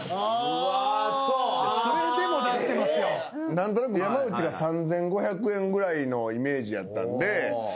何となく山内が３，５００円ぐらいのイメージやったんで。